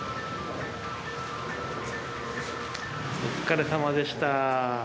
お疲れさまでした。